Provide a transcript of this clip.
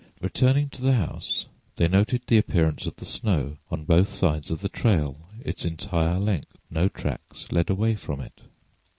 Returning to the house they noted the appearance of the snow on both sides of the trail its entire length. No tracks led away from it.